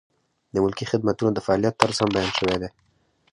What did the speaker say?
د ملکي خدمتونو د فعالیت طرز هم بیان شوی دی.